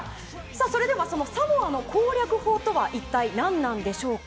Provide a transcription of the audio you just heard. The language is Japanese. それではサモアの攻略法とは一体何なのでしょうか。